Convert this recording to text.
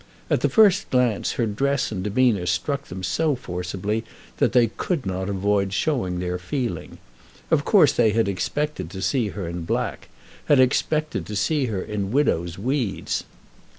At the first glance her dress and demeanour struck them so forcibly that they could not avoid showing their feeling. Of course they had expected to see her in black, had expected to see her in widow's weeds.